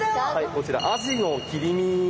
こちらアジの切り身を。